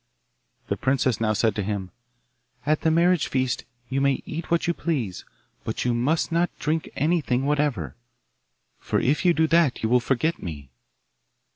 The princess now said to him, 'At the marriage feast you may eat what you please, but you must not drink anything whatever, for if you do that you will forget me.